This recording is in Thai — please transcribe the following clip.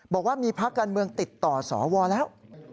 บอกว่ามีพักการเมืองติดต่อสวแล้ว